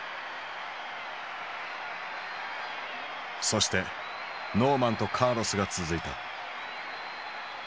そしてノーマンとカーロスが続いた。